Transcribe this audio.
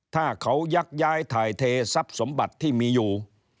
ถ้าเขายักย้ายถ่ายเททรัพย์สมบัติที่มีอยู่